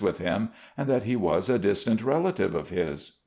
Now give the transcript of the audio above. with him, and that he was a distant relative of his.